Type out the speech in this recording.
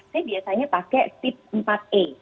saya biasanya pakai tip empat e